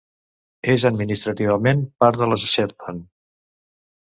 És administrativament part de les Shetland.